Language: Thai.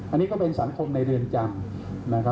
อันนี้ก็เป็นสังคมในเรือนจำ